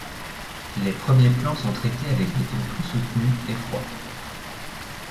Le premiers plans sont traités avec des tons plus soutenus et froids.